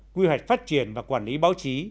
nguy hoạch phát triển và quản lý báo chí